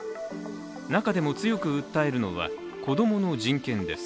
中でも強く訴えるのは、子供の人権です。